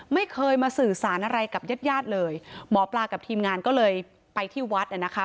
ไม่เคยมาสื่อสารอะไรกับญาติญาติเลยหมอปลากับทีมงานก็เลยไปที่วัดอ่ะนะคะ